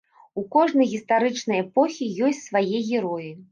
У кожнай гістарычнай эпохі ёсць свае героі.